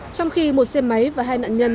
trong khi một xe máy và hai nạn nhân